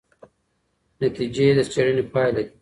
نتیجې د څیړنې پایله دي.